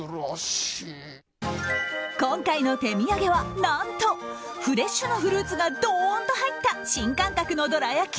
今回の手土産は何と、フレッシュなフルーツがどーんと入った新感覚のどら焼き。